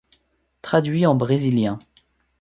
Traduit en brésilien.